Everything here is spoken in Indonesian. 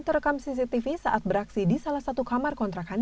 terekam cctv saat beraksi di salah satu kamar kontrakan